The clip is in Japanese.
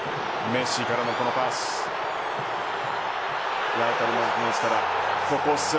メッシからのこのパス。